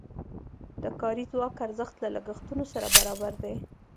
د کاري ځواک ارزښت له لګښتونو سره برابر دی.